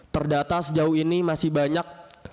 perdata sejauh ini masih banyak